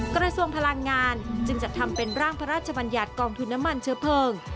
กระทรวงพลังงานจึงจัดทำเป็นร่างพระราชบัญญัติกองทุนน้ำมันเชื้อเพลิง